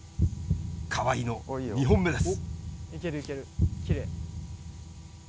河合の２本目です。